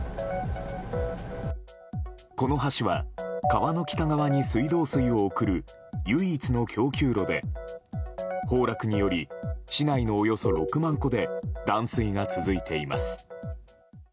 この橋は川の北側に水道水を送る唯一の供給路で崩落により市内のおよそ６万戸で断水が続いています。